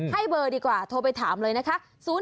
ให้เบอร์ดีกว่าโทรไปถามเลยนะคะ๐๖๕๖๘๗๘๗๘๙